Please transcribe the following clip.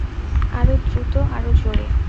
আরও দ্রুত, আরও জোরে।